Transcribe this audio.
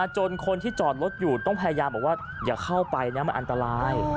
จนคนที่จอดรถอยู่ต้องพยายามบอกว่าอย่าเข้าไปนะมันอันตราย